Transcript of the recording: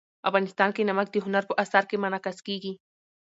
افغانستان کې نمک د هنر په اثار کې منعکس کېږي.